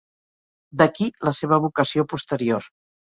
D'aquí la seva vocació posterior.